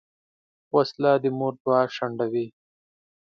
وسله د مور دعا شنډوي